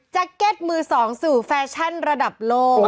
เก็ตมือ๒สู่แฟชั่นระดับโลก